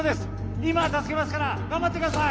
今助けますから頑張ってください